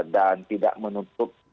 dan tidak menutup